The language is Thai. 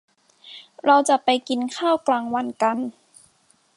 เราจะไปกินข้าวกลางวันกัน